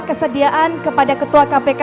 kesediaan kepada ketua kpk